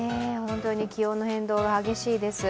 気温の変動が激しいです。